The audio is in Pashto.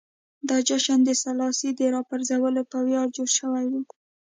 دا جشن د سلاسي د راپرځولو په ویاړ جوړ شوی و.